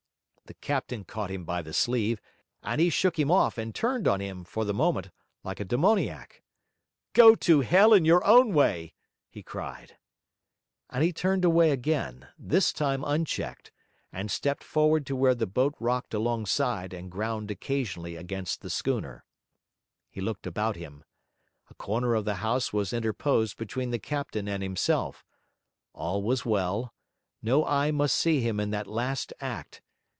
The captain caught him by the sleeve; and he shook him off and turned on him, for the moment, like a demoniac. 'Go to hell in your own way!' he cried. And he turned away again, this time unchecked, and stepped forward to where the boat rocked alongside and ground occasionally against the schooner. He looked about him. A corner of the house was interposed between the captain and himself; all was well; no eye must see him in that last act.